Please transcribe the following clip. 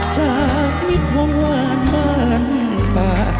จากมิดวันวานมั้นป่า